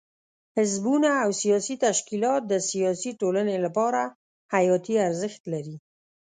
حزبونه او سیاسي تشکیلات د سیاسي ټولنې لپاره حیاتي ارزښت لري.